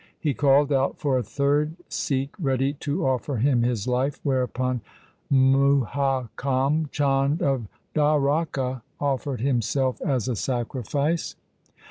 He called out for a third Sikh ready to offer him his life, whereupon Muhakam Chand of Dwaraka offered himself as a sacrifice.